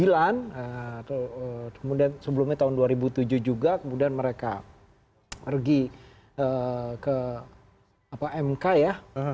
kemudian sebelumnya tahun dua ribu tujuh juga kemudian mereka pergi ke mk ya